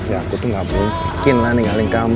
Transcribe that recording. ya aku tuh gak mungkin lah ninggalin kamu